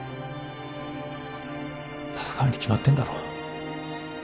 助かるに決まってんだろう。